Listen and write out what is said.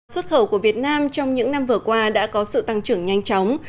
xuất khẩu của việt nam trong những năm vừa qua đã có sự tăng trưởng nhanh chóng